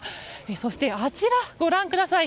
そしてあちらをご覧ください。